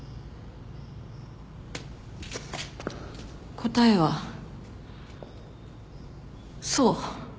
答えはそう。